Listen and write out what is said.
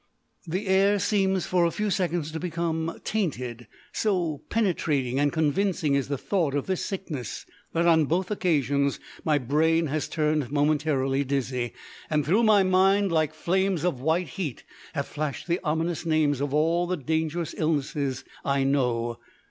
The air seems for a few seconds to become tainted. So penetrating and convincing is the thought of this sickness, that on both occasions my brain has turned momentarily dizzy, and through my mind, like flames of white heat, have flashed the ominous names of all the dangerous illnesses I know.